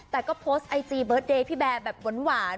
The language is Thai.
แต่ก็โพสต์ไอจีเบิร์ตเดย์พี่แบร์แบบหวาน